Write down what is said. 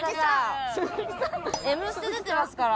『Ｍステ』出てますから。